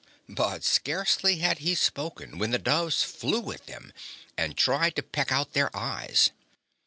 But scarcely had he spoken when the doves flew at them and tried to peck out their eyes.